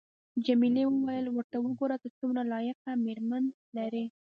جميلې وويل:: ورته وګوره، ته څومره لایقه مېرمن لرې.